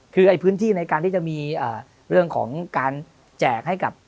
คือพื้นที่ในการที่จะมีเรื่องของการแจกให้กับ